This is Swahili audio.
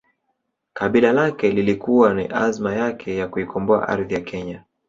Kabila lake lilikuwa ni azma yake ya kuikomboa ardhi ya kenya